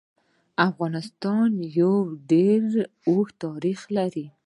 افغانستان يو ډير اوږد تاريخ لري.